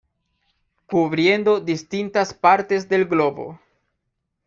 Cubriendo distintas partes del globo.